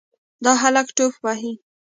دا هلک توپ وهي.